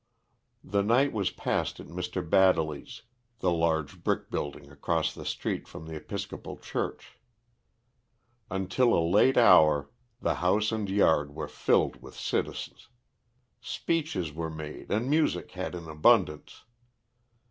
The night was passed at Mr. Baddely's, the large brick building across the street from the Episcopal church. Until a late hour, the house and yard were filled with citizens. Speeches were made and music had in abundance.